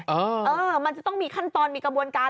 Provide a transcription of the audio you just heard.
เออมันจะต้องมีขั้นตอนมีกระบวนการ